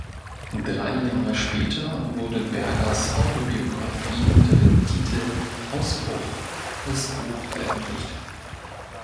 Drei Jahre später wurde Bergers Autobiografie unter dem Titel "Ausbruch" als Buch veröffentlicht.